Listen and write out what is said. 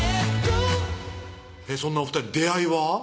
そんなお２人出会いは？